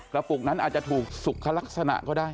ปุกนั้นอาจจะถูกสุขลักษณะก็ได้